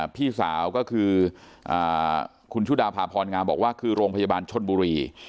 พี่สาวก็คือคุณชุดาภาพรงามบอกว่าคือโรงพยาบาลชนบุรี